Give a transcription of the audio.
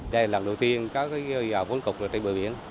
đây là lần đầu tiên có dầu vón cục trên bờ biển